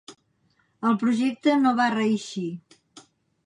El projecte no va reeixir.